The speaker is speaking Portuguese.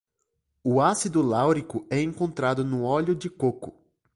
O ácido láurico é encontrado no óleo de coco